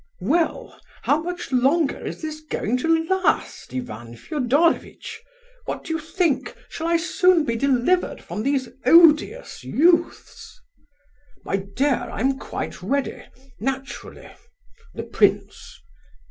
"Well, how much longer is this going to last, Ivan Fedorovitch? What do you think? Shall I soon be delivered from these odious youths?" "My dear, I am quite ready; naturally... the prince."